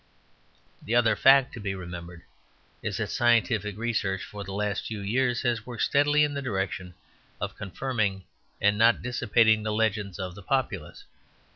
The other fact to be remembered is that scientific research for the last few years has worked steadily in the direction of confirming and not dissipating the legends of the populace.